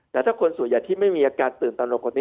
แต่ถ้าคนส่วนใหญ่ที่ไม่มีอาการตื่นตนกคนนี้